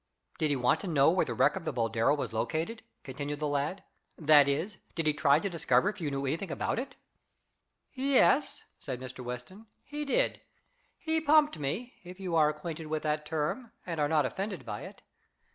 "Did he want to know where the wreck of the Boldero was located?" continued the lad. "That is, did he try to discover if you knew anything about it?" "Yes," said Mr. Weston, "he did. He pumped me, if you are acquainted with that term, and are not offended by it.